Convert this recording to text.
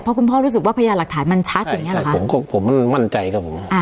เพราะคุณพ่อรู้สึกว่าพยานหลักฐานมันชัดอย่างเงี้หรอคะผมก็ผมมันมั่นใจครับผมอ่า